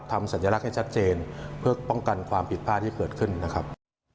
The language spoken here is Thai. สัญลักษณ์ให้ชัดเจนเพื่อป้องกันความผิดพลาดที่เกิดขึ้นนะครับ